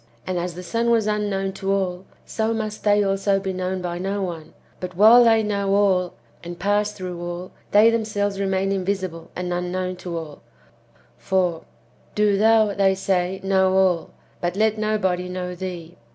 And as the son was unknown to all, so must they also be known by no one ; but while they know all, and pass through all, they themselves remain invisible and unknown to all; for, "Do thou," they say, "know all, but let nobody know thee."